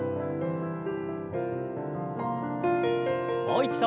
もう一度。